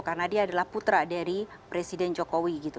karena dia adalah putra dari presiden jokowi gitu